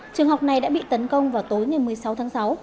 trường học này đã bị tấn công vào tối ngày một mươi sáu tháng sáu